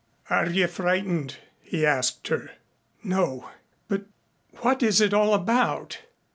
"Are you frightened?" he asked her. "No. But what is it all about?"